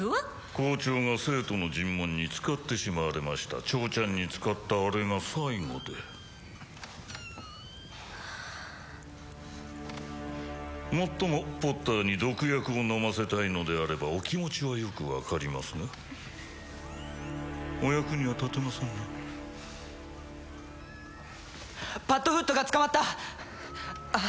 校長が生徒の尋問に使ってしまわれましたチョウ・チャンに使ったあれが最後でもっともポッターに毒薬を飲ませたいのであればお気持ちはよく分かりますがお役には立てませんなパッドフットが捕まったあ